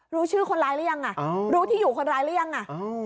รู้ชื่อคนร้ายหรือยังอ่ะรู้ที่อยู่คนร้ายหรือยังอ่ะ